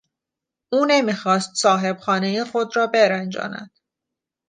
او نمیخواست صاحب خانه خود را برنجاند.